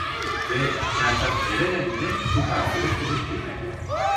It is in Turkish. Ve Sertab Erener ile bu parçaya klip çekildi.